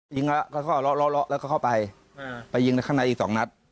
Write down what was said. ยิงแล้วก็เลาะแล้วก็เข้าไปไปยิงข้างในอีกสองนัด